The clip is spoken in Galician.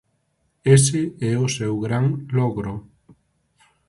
Ese é o seu gran logro.